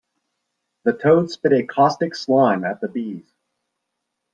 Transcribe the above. The toad spit a caustic slime at the bees.